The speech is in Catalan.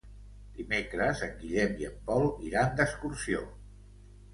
Dimecres en Guillem i en Pol iran d'excursió.